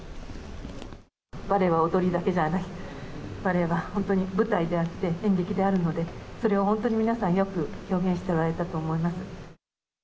バレエは踊りだけじゃない、バレエは本当に舞台であって、演劇であるので、それを本当に皆さん、よく表現しておられたと思います。